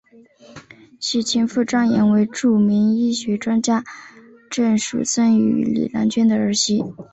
其情妇张琰为著名医学专家郑树森与李兰娟的儿媳。